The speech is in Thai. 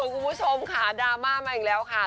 คุณผู้ชมค่ะดราม่ามาอีกแล้วค่ะ